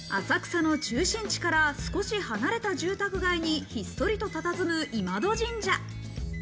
浅草の中心地から少し離れた住宅街にひっそりとたたずむ今戸神社。